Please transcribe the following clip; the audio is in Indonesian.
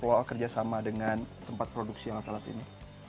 bahwa kerjasama dengan tempat produksi alat alat ini